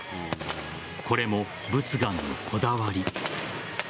これも佛願のこだわり。